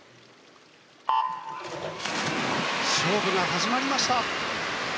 勝負が始まりました。